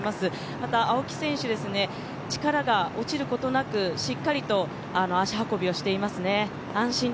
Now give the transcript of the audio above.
また青木選手、力が落ちることなくしっかりと足運びをしていますね。